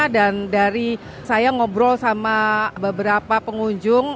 dan dari saya ngobrol sama beberapa pengunjung